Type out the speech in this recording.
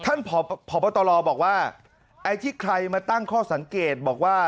พบตรบอกว่าไอ้ที่ใครมาตั้งข้อสังเกตบอกว่า